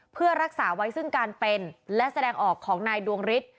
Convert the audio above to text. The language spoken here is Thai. เพื่อรักษาไว้ซึ่งการเป็นและแสดงออกของนายดวงฤทธิ์